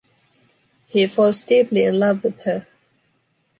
He falls deeply in love with her.